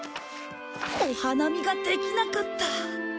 お花見ができなかった！